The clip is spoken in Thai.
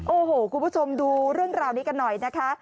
โอ้โหคุณผู้ชมดูเรื่องราวนี้กันหน่อยนะคะ